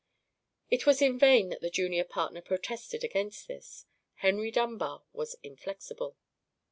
It was in vain that the junior partner protested against this. Henry Dunbar was inflexible.